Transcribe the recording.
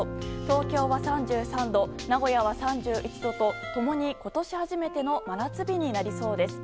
東京は３３度、名古屋は３１度と共に今年初めての真夏日になりそうです。